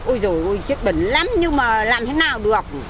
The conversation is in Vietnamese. ôi dồi ôi chết bẩn lắm nhưng mà làm thế nào được